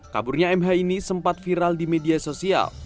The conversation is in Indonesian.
kaburnya mh ini sempat viral di media sosial